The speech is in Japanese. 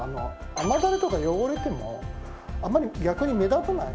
雨垂れとか汚れてもあまり逆に目立たない。